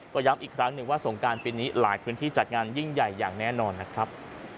ก็ย้ำอีกครั้งหนึ่งว่าสงการปีนี้หลายพื้นที่จัดงานยิ่งใหญ่อย่างแน่นอนนะครับ